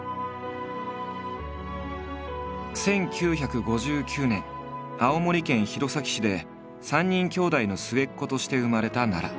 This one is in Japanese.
ぱっと何か１９５９年青森県弘前市で３人兄弟の末っ子として生まれた奈良。